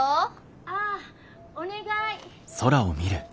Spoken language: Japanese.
・ああお願い！